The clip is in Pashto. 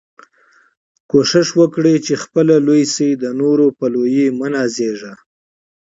کوښښ وکه، چي خپله لوى سې، د نورو په لويي مه نازېږه!